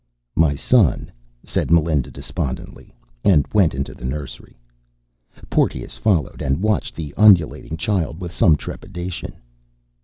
"My son," said Melinda despondently, and went into the nursery. Porteous followed, and watched the ululating child with some trepidation.